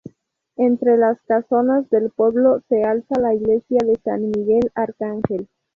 Entre las casonas del pueblo se alza la Iglesia de San Miguel Arcángel.